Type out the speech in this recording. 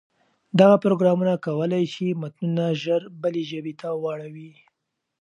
دغه پروګرامونه کولای شي متنونه ژر بلې ژبې ته واړوي.